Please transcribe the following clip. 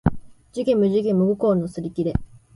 寿限無寿限無五劫のすりきれ